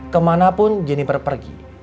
kemanapun jeniper pergi